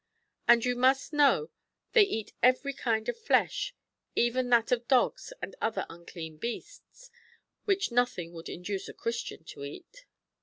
'] And you must know they eat every kind of flesh, even that of dogs and other unclean beasts, which nothing would induce a Christian to eat.